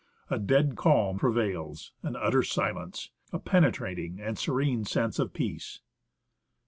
A dead calm prevails, an utter silence, a penetrating and serene sense of peace.